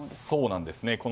そうなんですね。